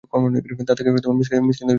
তা থেকে মিসকীনদের কিছুই দিত না।